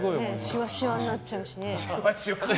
シワシワになっちゃうしね。